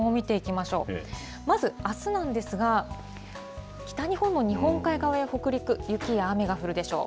まずあすなんですが、北日本の日本海側や北陸、雪や雨が降るでしょう。